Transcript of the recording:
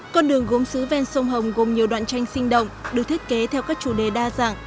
con đường gốm xứ ven sông hồng gồm nhiều đoạn tranh sinh động được thiết kế theo các chủ đề đa dạng